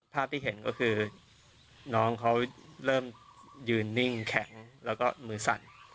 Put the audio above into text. ภาพที่เห็นก็คือน้องเขาเริ่มยืนนิ่งแข็งแล้วก็มือสั่น